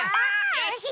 よし！